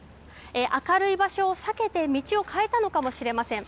明るい場所を避けて道を変えたのかもしれません。